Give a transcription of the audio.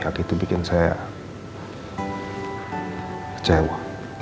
tapi itu bikin saya kecewa